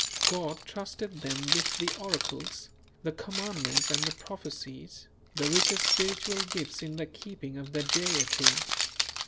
God trusted them with the oracles, the Commandments and the prophecies; the richest spiritual gifts in the keeping of the Deity.